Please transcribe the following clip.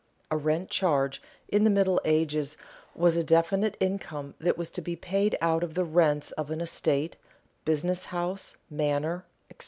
_ A rent charge in the Middle Ages was a definite income that was to be paid out of the rents of an estate, business house, manor, etc.